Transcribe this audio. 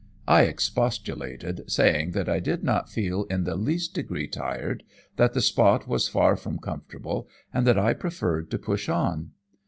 I expostulated, saying that I did not feel in the least degree tired, that the spot was far from comfortable, and that I preferred to push on.